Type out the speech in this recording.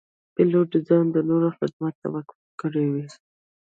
پیلوټ ځان د نورو خدمت ته وقف کړی وي.